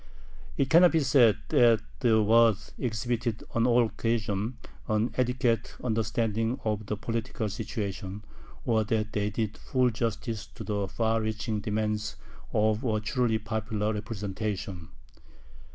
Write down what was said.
It cannot be said that the Waads exhibited on all occasions an adequate understanding of the political situation, or that they did full justice to the far reaching demands of a truly popular representation.